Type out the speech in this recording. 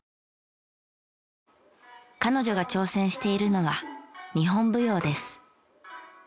彼女が挑戦しているのは日本舞踊です。